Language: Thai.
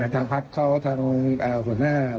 ทางภาคเค้าทางหมายผู้หัคมาก